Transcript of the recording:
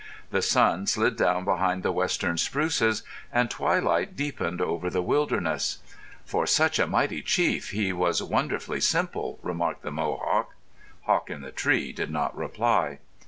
The sun slid down behind the western spruces and twilight deepened over the wilderness. "For such a mighty chief he was wonderfully simple," remarked the Mohawk. Hawk in the Tree did not reply.